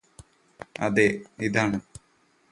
അതെ ഇതാണത്